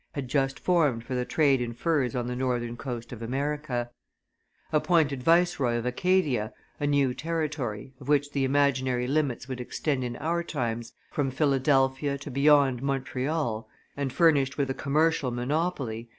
had just formed for the trade in furs on the northern coast of America; appointed viceroy of Acadia, a new territory, of which the imaginary limits would extend in our times from Philadelphia to beyond Montreal, and furnished with a commercial monopoly, M.